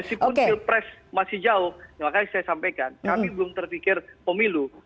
meskipun pilpres masih jauh makanya saya sampaikan kami belum terpikir pemilu